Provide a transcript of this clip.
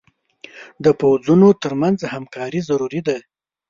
د پوځونو تر منځ همکاري ضروري ده.